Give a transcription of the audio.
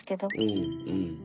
うんうん。